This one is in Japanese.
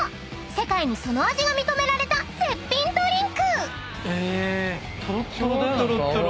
［世界にその味が認められた絶品ドリンク］